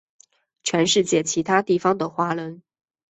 全世界其他地方的华人